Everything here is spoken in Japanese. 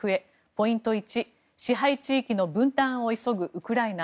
ポイント１、支配地域の分断を急ぐウクライナ。